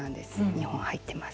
２本入ってます。